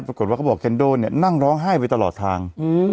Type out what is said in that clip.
เขาบอกเคนโดเนี่ยนั่งร้องไห้ไปตลอดทาง